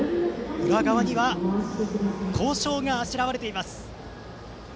裏側には校章があしらわれています。